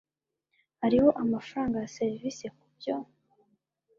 Hariho amafaranga ya serivisi kubyo?